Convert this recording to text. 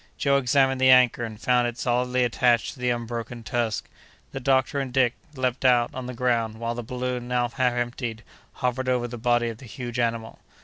Joe examined the anchor and found it solidly attached to the unbroken tusk. The doctor and Dick leaped out on the ground, while the balloon, now half emptied, hovered over the body of the huge animal.